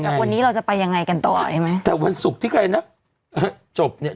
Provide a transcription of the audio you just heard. วันนี้เราจะไปยังไงกันต่อใช่ไหมแต่วันศุกร์ที่ใครนะจบเนี่ย